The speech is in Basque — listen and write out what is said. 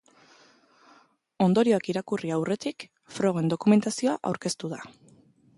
Ondorioak irakurri aurretik, frogen dokumentazioa aurkeztu da.